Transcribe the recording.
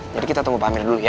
jadi kita tunggu pak amir dulu ya